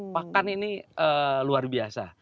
pakan ini luar biasa